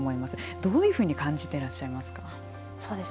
どういうふうに感じていらっしゃいますか。